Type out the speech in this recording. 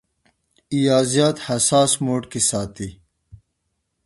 يا زيات حساس موډ کښې ساتي -